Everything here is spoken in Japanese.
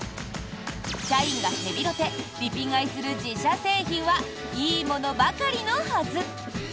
社員がヘビロテ・リピ買いする自社製品はいいものばかりのはず！